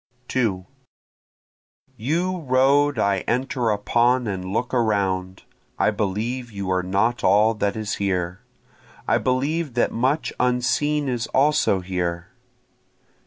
2 You road I enter upon and look around, I believe you are not all that is here, I believe that much unseen is also here.